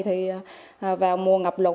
thì vào mùa ngập lụt